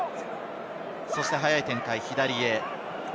早い展開、左へ。